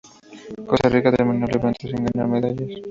Costa Rica terminó el evento sin ganar medallas.